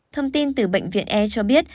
thông tin từ bệnh viện e cho biết